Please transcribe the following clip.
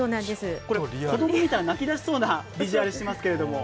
子供が見たら泣き出しそうなビジュアルですけれども。